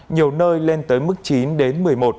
nhiều nơi lên tới mức chín đến một mươi một